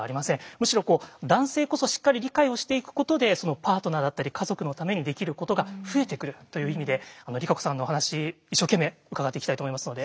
むしろこう男性こそしっかり理解をしていくことでそのパートナーだったり家族のためにできることが増えてくるという意味でＲＩＫＡＣＯさんのお話一生懸命伺っていきたいと思いますので。